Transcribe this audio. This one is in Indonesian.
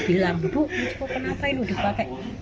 dia bilang bu kenapa ini dipakai